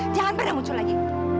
jangan pernah muncul lagi